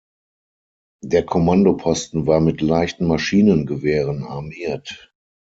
Der Kommandoposten war mit leichten Maschinengewehren armiert.